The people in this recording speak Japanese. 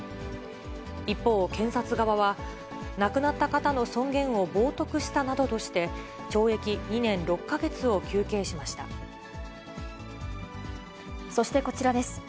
一方、検察側は、亡くなった方の尊厳を冒とくしたなどとして、そしてこちらです。